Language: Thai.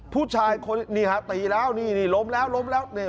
ผู้ชายนี่ฮะตีแล้วนี่ล้มแล้วล้มแล้วล้มแล้ว